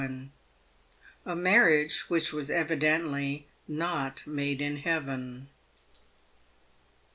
A MARRIAGE WHICH WAS NOT EVIDENTLY MADE IN HEAVEN.